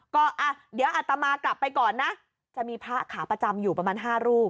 ก็อ่ะเดี๋ยวอัตมากลับไปก่อนนะจะมีพระขาประจำอยู่ประมาณ๕รูป